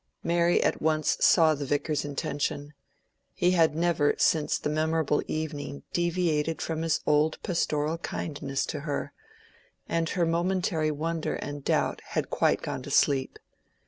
Mary at once saw the Vicar's intention. He had never since the memorable evening deviated from his old pastoral kindness towards her, and her momentary wonder and doubt had quite gone to sleep.